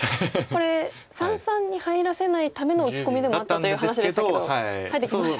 これ三々に入らせないための打ち込みでもあったという話でしたけど入ってきました。